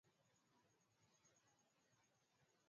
daudi balali aliongoza hadi mwaka elfu mbili na nane